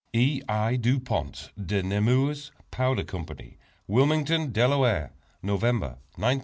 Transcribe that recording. E. I. DU PONT DE NEMOURS POWDER CO. WILMINGTON, DELAWARE November, 1910 E.